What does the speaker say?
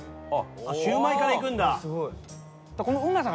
シウマイからいくんだ。